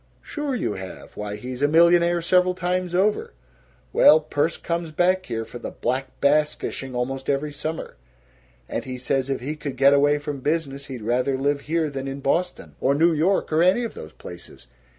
"Sure you have. Why, he's a millionaire several times over! Well, Perce comes back here for the black bass fishing almost every summer, and he says if he could get away from business, he'd rather live here than in Boston or New York or any of those places.